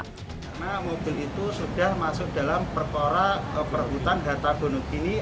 karena mobil itu sudah masuk dalam perkora perhutang data gunung ini